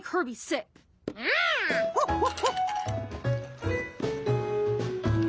アホッホッホッ。